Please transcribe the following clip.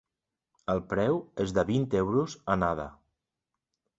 El preu és de vint euros, anada.